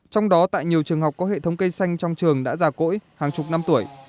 trong đó tại nhiều trường học có hệ thống cây xanh trong trường đã già cỗi hàng chục năm tuổi